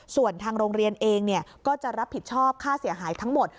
ส่วนทางโรงเรียนเองก็จะรับผิดชอบค่าเสียหายทั้งหมด